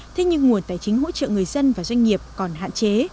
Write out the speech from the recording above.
thế nhưng nguồn tài chính hỗ trợ người dân và doanh nghiệp còn hạn chế